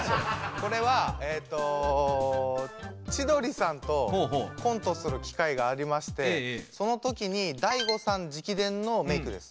これは千鳥さんとコントする機会がありましてその時に大悟さん直伝のメークです。